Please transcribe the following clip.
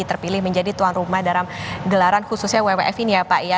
terpilih menjadi tuan rumah dalam gelaran khususnya wwf ini ya pak ya